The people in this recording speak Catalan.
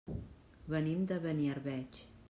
Venim de Beniarbeig.